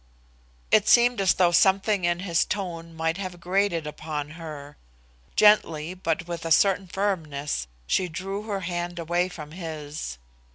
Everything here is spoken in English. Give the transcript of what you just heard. It seemed as though something in his tone might have grated upon her. Gently, but with a certain firmness, she drew her hand away from his.